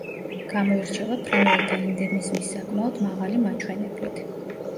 გამოირჩევა ფრინველთა ენდემიზმის საკმაოდ მაღალი მაჩვენებლით.